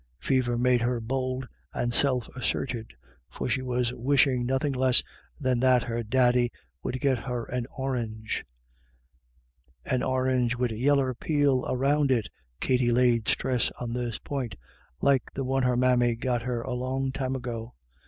Fever made her bold and self assertive, for she was wishing nothing less than that her daddy would get her an orange. "An or'nge wid yeller peel round it "— Katty laid stress on this point — like the one hei mammy got her a long time ago.